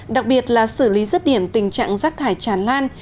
đặc biệt là xử lý rứt điểm tình trạng rác thải tràn lan